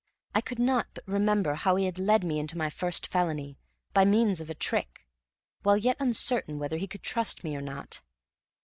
I could not but remember how he had led me into my first felony, by means of a trick, while yet uncertain whether he could trust me or not.